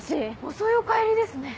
遅いお帰りですね